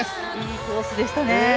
いいコースでしたね。